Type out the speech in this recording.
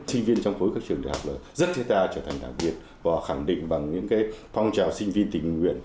sinh viên trong khối các trường đại học là rất thiết tha trở thành đảng viên và khẳng định bằng những cái phong trào sinh viên tình nguyện